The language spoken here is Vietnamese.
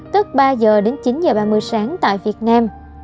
tức ba giờ đến chín giờ ba mươi sáng tại việt nam